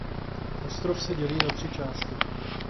Ostrov se dělí na tři části.